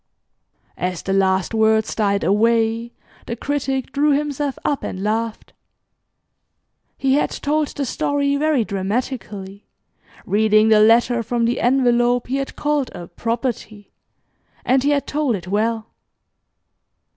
As the last words died away, the Critic drew himself up and laughed. He had told the story very dramatically, reading the letter from the envelope he had called a "property," and he had told it well.